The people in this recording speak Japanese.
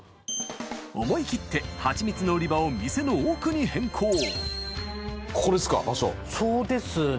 思い切ってハチミツの売り場を店の奥に変更そうですね。